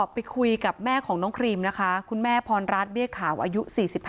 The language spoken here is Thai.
ไปคุยกับแม่ของน้องครีมนะคะคุณแม่พรรัฐเบี้ยขาวอายุ๔๕